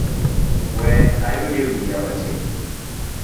We ayudie wiya matin.